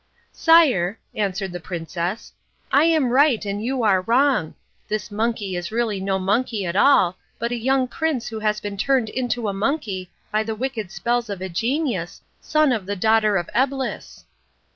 "Sire," answered the princess, "I am right and you are wrong. This monkey is really no monkey at all, but a young prince who has been turned into a monkey by the wicked spells of a genius, son of the daughter of Eblis."